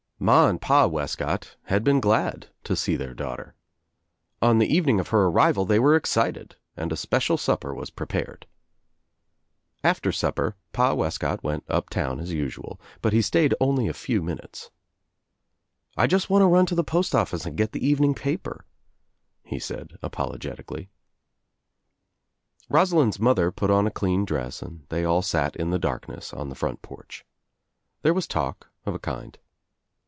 Ma and Pa Wescott had been glad to see their daughter. On the evening of her arrival they were excited and a special supper was prepared. After supper Pa Wescott went up town as usual, but he stayed only a few minutes. "I just want to run to the postofJicc and get the evening paper," he said apolo getically. Rosalind's mother put on a clean dress and they all sat in the darkness on the front porch. There •was talk, of a kind.